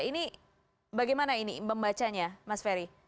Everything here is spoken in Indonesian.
ini bagaimana ini membacanya mas ferry